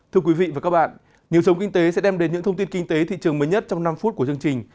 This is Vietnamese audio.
thưa quý vị và các bạn nhiều sống kinh tế sẽ đem đến những thông tin kinh tế thị trường mới nhất trong năm phút của chương trình